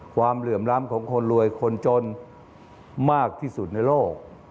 เหลื่อมล้ำของคนรวยคนจนมากที่สุดในโลก